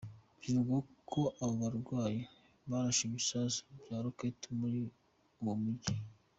Bivugwa ko abo barwanyi barashe ibisasu vya rocket muri uwo muji.